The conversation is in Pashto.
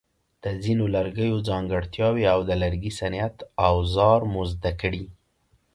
د ځینو لرګیو ځانګړتیاوې او د لرګي صنعت اوزار مو زده کړي.